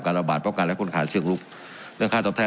การระบาดป้อการและคนขาชื่องลุคเรื่องค่าตอบแทน